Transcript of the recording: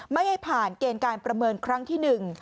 ไม่ให้ผ่านเกณฑ์การประเมินครั้งที่หนึ่ง